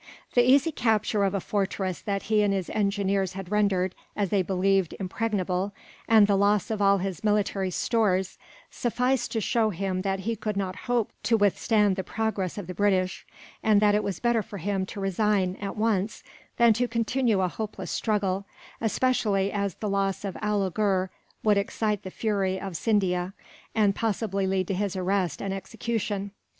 The easy capture of a fortress that he and his engineers had rendered, as they believed, impregnable, and the loss of all his military stores, sufficed to show him that he could not hope to withstand the progress of the British; and that it was better for him to resign, at once, than to continue a hopeless struggle, especially as the loss of Alighur would excite the fury of Scindia, and possibly lead to his arrest and execution.